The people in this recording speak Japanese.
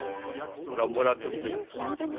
これはもらっとくべえ。